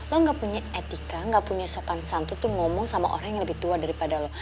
lo gak punya etika gak punya sopan santu tuh ngomong sama orang yang lebih tua daripada lo